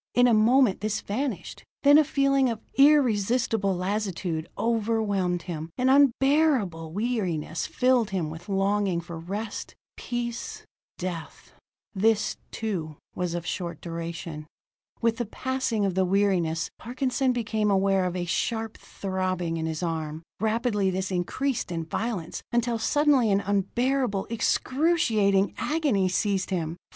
In a moment this vanished. Then a feeling of irresistible lassitude overwhelmed him; an unbearable weariness filled him with longing for rest, peace death. This, too, was of short duration. With the passing of the weariness, Parkinson became aware of a sharp throbbing in his arm. Rapidly this increased in violence, until suddenly an unbearable, excruciating agony seized him.